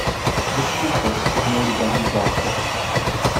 Desculpas por não ligar de volta.